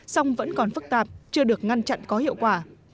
song vẫn còn phức tạp chưa được ngăn chặn có hiệu quả